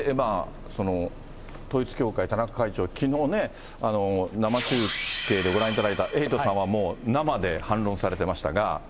統一教会、田中会長、きのうね、生中継でご覧いただいた、エイトさんはもう生で反論されてましたが。